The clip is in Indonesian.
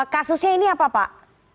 kasusnya ini apa pak